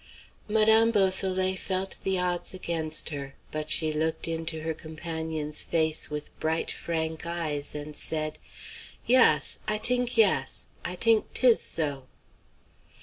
Madame Beausoleil felt the odds against her, but she looked into her companion's face with bright, frank eyes and said: "Yass, I t'ink yass; I t'ink 'tis so."